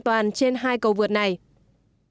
các loại xe bình thường được quy định như sau